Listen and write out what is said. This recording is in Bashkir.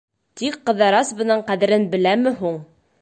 Тик Ҡыҙырас бының ҡәҙерен беләме һуң?